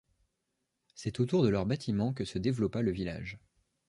C'est autour de leurs bâtiments que se développa le village.